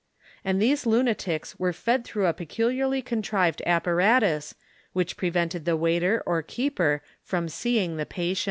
And these limatics were fed through a peculiarly contrived apparatus, wliich prevented the waiter or keeper from seeing the patient.